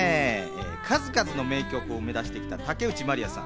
数々の名曲を生み出してきた竹内まりやさん。